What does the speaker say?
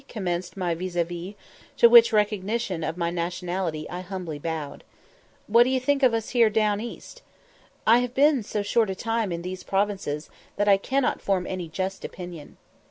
commenced my vis à vis; to which recognition of my nationality I humbly bowed. "What do you think of us here d own east?" "I have been so short a time in these provinces, that I cannot form any just opinion."